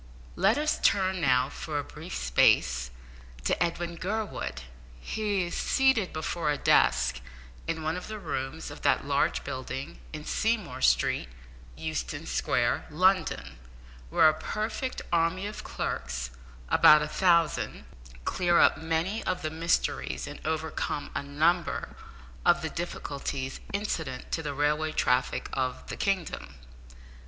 Let us turn now, for a brief space, to Edwin Gurwood. He is seated before a desk in one of the rooms of that large building in Seymour Street, Euston Square, London, where a perfect army of clerks about a thousand clear up many of the mysteries, and overcome a number of the difficulties, incident to the railway traffic of the kingdom.